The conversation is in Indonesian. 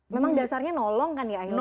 memang dasarnya nolong kan ya ahilman ya